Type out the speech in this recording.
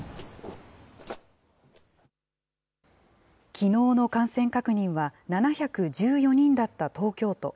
きのうの感染確認は、７１４人だった東京都。